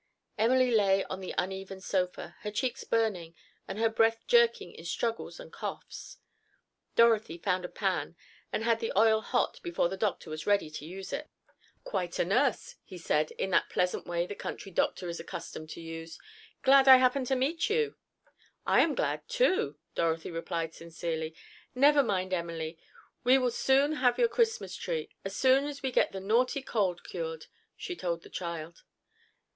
Emily lay on the uneven sofa, her cheeks burning, and her breath jerking in struggles and coughs. Dorothy found a pan and had the oil hot before the doctor was ready to use it. "Quite a nurse," he said, in that pleasant way the country doctor is accustomed to use. "Glad I happened to meet you." "I'm glad, too," Dorothy replied sincerely. "Never mind, Emily, you will have your Christmas tree, as soon as we get the naughty cold cured," she told the child.